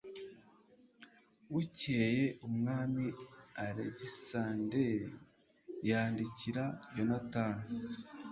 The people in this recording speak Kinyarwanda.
bukeye, umwami alegisanderi yandikira yonatani